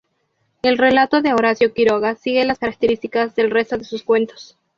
El relato de Horacio Quiroga sigue las características del resto de sus cuentos.